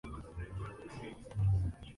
Amplió estudios en París y Nueva York.